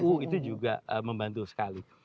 itu juga membantu sekali